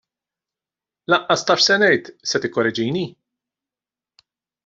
Lanqas taf x'se ngħid, se tikkoreġini!